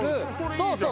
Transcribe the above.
そうそう！